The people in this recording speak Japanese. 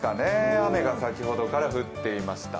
雨が先ほどから降っていました。